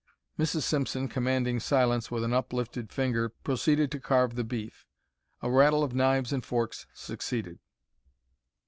Mrs. Simpson, commanding silence with an uplifted finger, proceeded to carve the beef. A rattle of knives and forks succeeded.